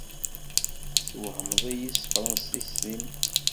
Teswehmed-iyi s tefṛensist-nnem.